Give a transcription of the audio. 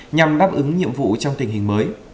nhằm đáp ứng nhiệm vụ trong tình hình mới